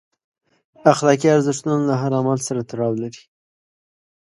اخلاقي ارزښتونه له هر عمل سره تړاو ولري.